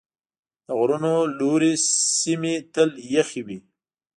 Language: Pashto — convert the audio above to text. د غرونو لوړې سیمې تل یخ وي.